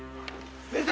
先生！